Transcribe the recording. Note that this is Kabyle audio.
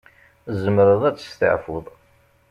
Tzemreḍ ad testeɛfuḍ.